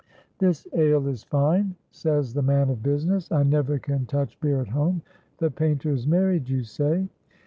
"This ale is fine," says the man of business. "I never can touch beer at home. The painter is married, you say?"